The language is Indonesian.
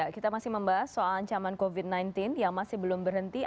kita masih membahas soal ancaman covid sembilan belas yang masih belum berhenti